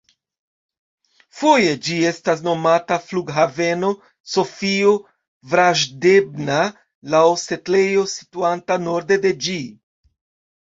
Foje ĝi estas nomata flughaveno Sofio-Vraĵdebna, laŭ setlejo situanta norde de ĝi.